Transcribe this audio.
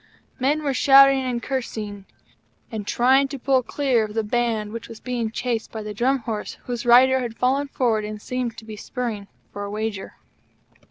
Men were shouting and cursing, and trying to pull clear of the Band which was being chased by the Drum Horse whose rider had fallen forward and seemed to be spurring for a wager.